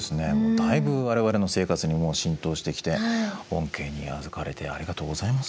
だいぶ我々の生活にもう浸透してきて恩恵にあずかれてありがとうございます。